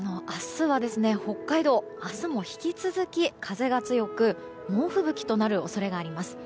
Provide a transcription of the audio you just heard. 北海道、明日も引き続き風が強く猛吹雪となる恐れがあります。